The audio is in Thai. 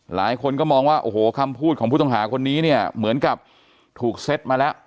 หลายคนก็มองว่าโอ้โหคำพูดของผู้ต้องหาคนนี้เนี่ยเหมือนกับถูกเซ็ตมาแล้ว